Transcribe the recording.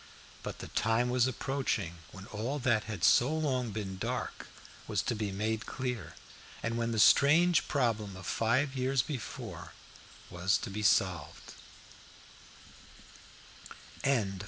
But the time was approaching when all that had so long been dark was to be made clear, and when the strange problem of five years before was to be solved.